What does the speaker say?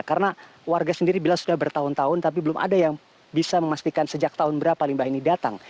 karena warga sendiri bilang sudah bertahun tahun tapi belum ada yang bisa memastikan sejak tahun berapa limbah ini datang